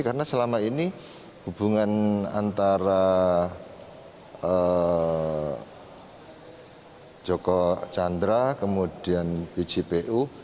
karena selama ini hubungan antara joko chandra kemudian bgpu